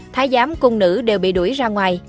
thái giám cung nữ đều bị đuổi ra ngoài